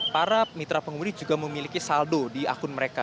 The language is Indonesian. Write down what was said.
para mitra pengemudi juga memiliki saldo di akun mereka